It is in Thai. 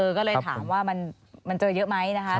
ก็เลยถามว่ามันเจอเยอะไหมนะคะ